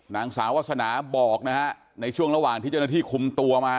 นางสาววาสนาบอกนะฮะในช่วงระหว่างที่เจ้าหน้าที่คุมตัวมา